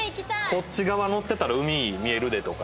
「こっち側乗ってたら海見えるで」とか。